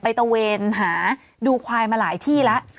ตะเวนหาดูควายมาหลายที่แล้ว